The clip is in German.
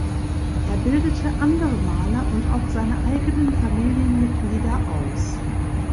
Er bildete andere Maler und auch seine eigenen Familienmitglieder aus.